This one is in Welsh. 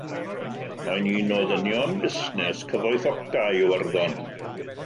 Mae'n un o ddynion busnes cyfoethocaf Iwerddon.